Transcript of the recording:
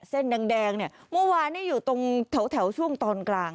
เส้นแดงเมื่อวานอยู่ตรงแถวช่วงตอนกลาง